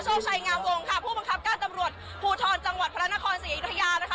โชคชัยงามวงค่ะผู้บังคับการตำรวจภูทรจังหวัดพระนครศรีอยุธยานะคะ